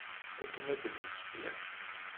Akken ad d-mmektiɣ.